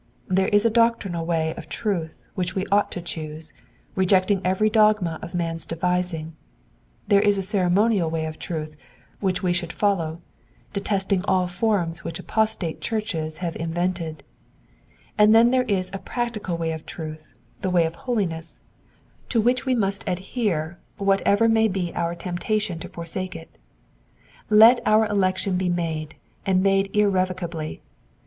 There is a doctrinal way of truth which we ought to choose, rejecting every dogma of man's devising ; there is a ceremonial way of truth which we should follow, detesting all the forms which apostate churches have in vented ; and then there is a practical way of truth, the way of holiness. Digitized by VjOOQIC PSALM ONE HUKDBED AKD KINETEEK— VEESES 25 TO 32. 73 to which we must adhere whatever may be our temptation to forsake it. Let our election be made, and made irrevocably.